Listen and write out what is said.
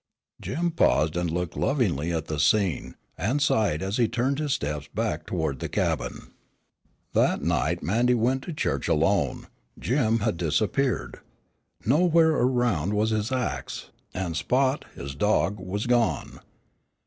Jim paused and looked lovingly at the scene, and sighed as he turned his steps back toward the cabin. That night Mandy went to church alone. Jim had disappeared. Nowhere around was his axe, and Spot, his dog, was gone.